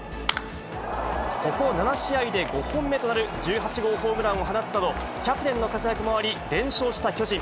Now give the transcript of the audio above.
ここ７試合で５本目となる１８号ホームランを放つなど、キャプテンの活躍もあり、連勝した巨人。